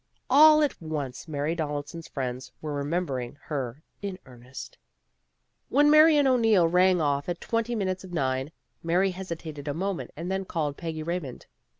All at once Mary Donaldson's friends were remembering her in earnest. A TELEPHONE PARTY 37 When Marian O'Neil rang off at twenty minutes of nine, Mary hesitated a moment and then called Peggy Raymond.